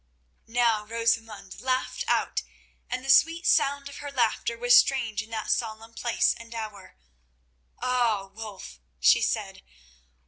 Now Rosamund laughed out, and the sweet sound of her laughter was strange in that solemn place and hour. "Ah, Wulf!" she said.